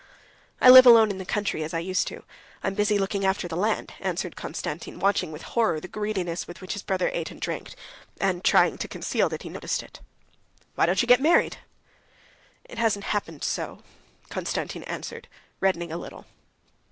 "I live alone in the country, as I used to. I'm busy looking after the land," answered Konstantin, watching with horror the greediness with which his brother ate and drank, and trying to conceal that he noticed it. "Why don't you get married?" "It hasn't happened so," Konstantin answered, reddening a little.